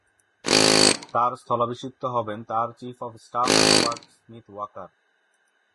তাঁর স্থলাভিষিক্ত হবেন তাঁর chief of staff Robert Smith Waker.